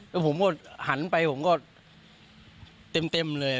แล้วผมก็หันไปผมก็เต็มเลย